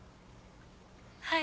はい。